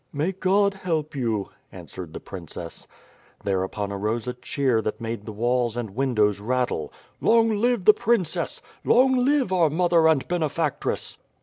"May God help you," answered the princess. Thereupon arose a cheer that made walls and windows rattle. "Long live the princess! Long live our mother and bene factress!"